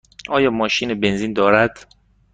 آیا ماشین بنزین دارد؟